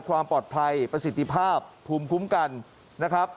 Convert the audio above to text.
ความปลอดภัยประสิทธิภาพภูมิคุ้มกันนะครับ